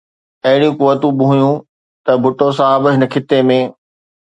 اهڙيون قوتون به هيون ته ڀٽو صاحب هن خطي ۾